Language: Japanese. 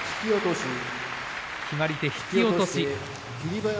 決まり手、引き落とし。